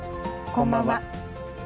こんばんは。